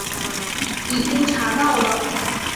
已经查到了